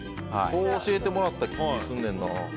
こう教えてもらった気がすんねんな。